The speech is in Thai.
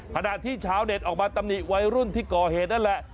ขณะที่ชาวเน็ตออกมาตำหนิวัยรุ่นที่ก่อเหตุนั่นแหละ